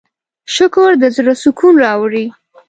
شکر د زړۀ سکون راوړي.